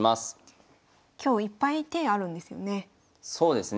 今日いっぱい手あるんですよね。